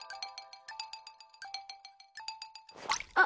あっ！